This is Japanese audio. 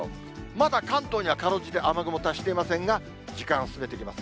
まだ関東にはかろうじて雨雲、達していませんが、時間進めていきます。